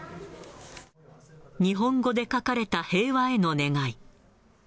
日本語で書かれた平和への願い。